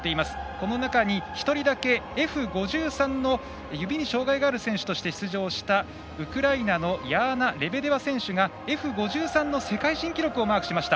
この中に１人だけＦ５３の指に障がいがある選手として出場した、ウクライナのヤーナ・レベデワ選手がＦ５３の世界新記録をマークしました。